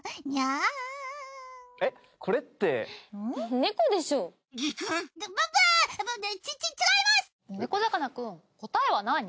ねこざかなくん答えはなに？